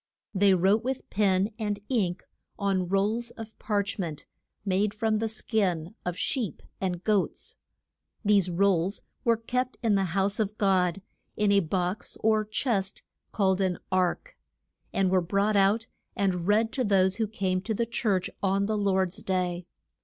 They wrote with pen and ink on rolls of parch ment, made from the skin of sheep and goats. These rolls were kept in the house of God, in a box or chest called an ark, and were brought out and read to those who came to the church on the Lord's day.